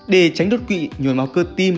để tránh đột quỵ nhồi máu cơ tim